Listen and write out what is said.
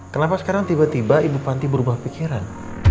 kenapa sekarang tiba tiba ibu panti berubah pikiran